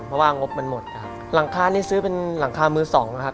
เพราะว่างบมันหมดนะครับหลังคานี้ซื้อเป็นหลังคามือสองนะครับ